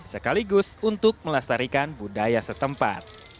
sekaligus untuk melestarikan budaya setempat